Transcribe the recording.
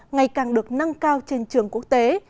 ngày càng được nâng cao trên trường quốc tế